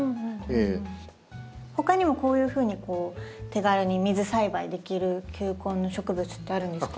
ほかにもこういうふうに手軽に水栽培できる球根の植物ってあるんですか？